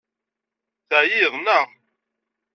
Teɛyiḍ, naɣ?